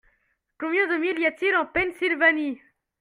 Combien de miles y a-t-il d'ici en Pennsylvanie ?